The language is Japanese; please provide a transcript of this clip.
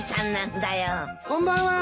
・こんばんは。